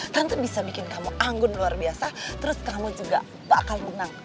tante bisa bikin kamu anggun luar biasa terus kamu juga bakal menang